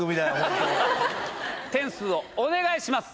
点数をお願いします。